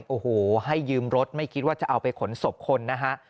โอ้โหให้ยืมรถไม่คิดว่าจะเอาไปขนศพคนนะฮะ